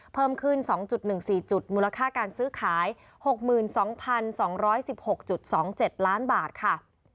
เพิ่มขึ้น๒๑๔จุดมูลค่าการซื้อขาย๖๒๒๑๖๒๗ล้านบาทค่ะ